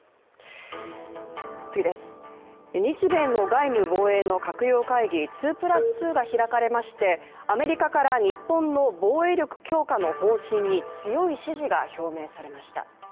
日米の外務・防衛の閣僚会議２＋２が開かれましてアメリカから日本の防衛力強化の方針に強い支持が表明されました。